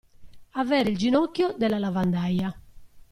Avere il ginocchio della lavandaia.